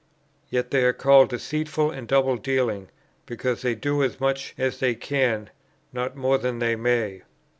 Yet they are called deceitful and double dealing, because they do as much as they can, not more than they may.'"